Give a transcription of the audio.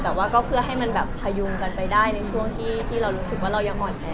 แต่ว่าก็เพื่อให้มันแบบพยุงกันไปได้ในช่วงที่เรารู้สึกว่าเรายังอ่อนแอ